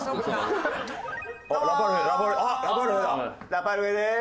ラパルフェです。